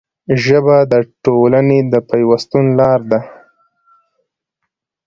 ژبه د ټولنې د پیوستون لاره ده